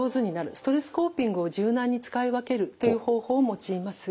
ストレスコーピングを柔軟に使い分けるという方法を用います。